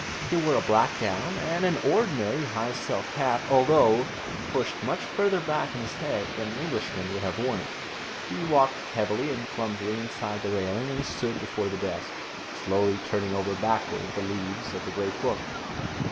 He wore a black gown and an ordinary high silk hat, although pushed much farther back on his head than an Englishman would have worn it. He walked heavily and clumsily inside the railing, and stood before the desk, slowly turning over backward the leaves of the great book.